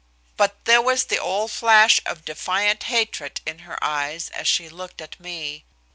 But there was the old flash of defiant hatred in her eyes as she looked at me.